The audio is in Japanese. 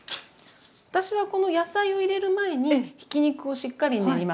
私はこの野菜を入れる前にひき肉をしっかり練ります。